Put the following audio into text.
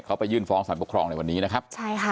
เขาไปยื่นฟ้องสรรพครองในวันนี้นะครับ